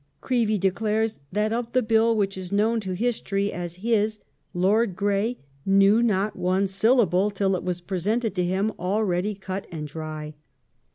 Creevey declares that of the Bill, which is known to history as his, Lord Grey knew not one syllable till it was presented to him all ready cut and dry